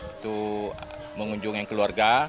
itu mengunjungi keluarga